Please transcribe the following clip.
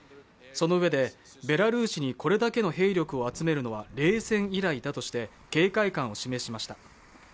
そのうえで、ベラルーシにこれだけの兵力を集めるのは冷戦以来だとして、警戒感を示しました。